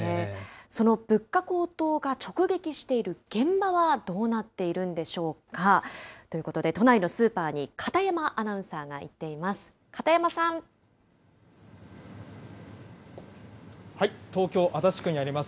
その物価高騰が直撃している現場はどうなっているんでしょうか。ということで、都内のスーパーに片山アナウンサーが行っています。